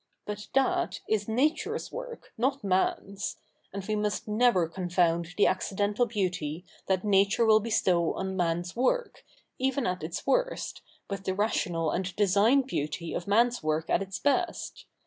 But that is Nature's work, not man's ; and we must never confound the accidental beauty that Nature will bestow on man's work, even at its worst, with the rational and designed beauty of man's work at its best.